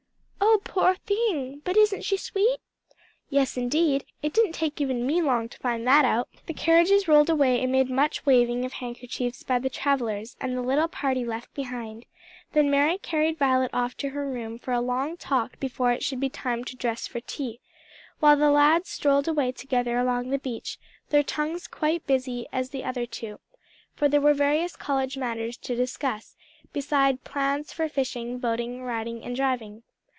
"Oh poor thing! But isn't she sweet?" "Yes, indeed! it didn't take even me long to find that out." The carriages rolled away amid much waving of handkerchiefs by the travellers and the little party left behind; then Mary carried Violet off to her room for a long talk before it should be time to dress for tea, while the lads strolled away together along the beach, their tongues quite as busy as the other two: for there were various college matters to discuss, beside plans for fishing, boating, riding, and driving.